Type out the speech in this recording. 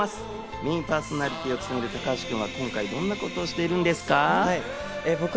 メインパーソナリティーを務める高橋君は今回どんなことをしているんですか？